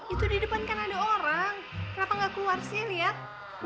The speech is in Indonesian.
itu di depan kan ada orang kenapa nggak keluar sih lihat